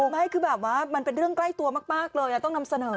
ไม่คือแบบว่ามันเป็นเรื่องใกล้ตัวมากเลยต้องนำเสนอ